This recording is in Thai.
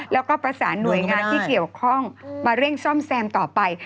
แล้วก็ประสานหน่วยงานที่เกี่ยวข้องมาเร่งซ่อมแซมต่อไป